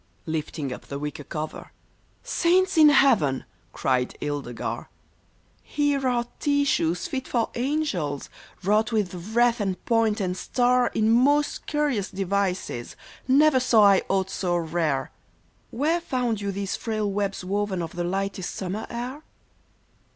Lifting up the wicker cover, " Saints in heaven !" cried Ilde gar, *' Here are tissues fit for angels, wrought with wreath and point and star, *' In most curious devices ! Never saw I aught so rare — Where found you these frail webs woven of the lightest sum mer air